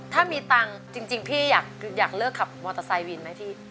ถ้ามีตังค์จริงพี่อยากเลิกขับมอเตอร์ไซค์วินไหมพี่